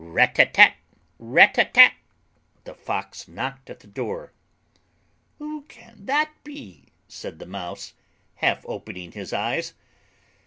"Rat tat tat, Rat tat tat", the Fox knocked at the door. "Who can that be?" said the Mouse, half opening his eyes.